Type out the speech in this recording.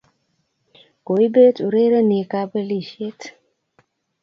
Koibet urerenik kapelishet